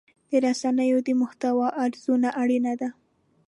د رسنیو د محتوا ارزونه اړینه ده.